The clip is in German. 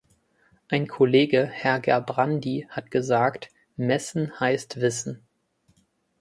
Ein Kollege, Herr Gerbrandy, hat gesagt, messen heißt wissen.